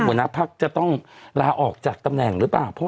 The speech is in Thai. หัวหน้าพักจะต้องลาออกจากตำแหน่งหรือเปล่า